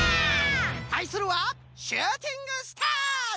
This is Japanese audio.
たいするはシューティングスターズ！